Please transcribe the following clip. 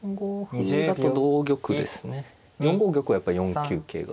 ４五玉はやっぱり４九桂があるので。